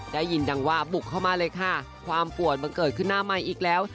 ได้ยินดังว่าบุกเข้ามาเลยค่ะความปวดมันเกิดขึ้นหน้าใหม่อีกแล้ว